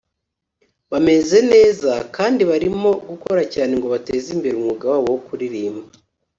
bameze neza kandi barimo gukora cyane ngo bateze imbere umwuga wabo wo kuririmba